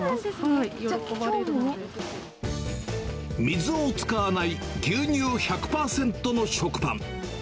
水を使わない牛乳１００％の食パン。